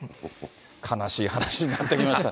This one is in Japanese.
悲しい話になってきました。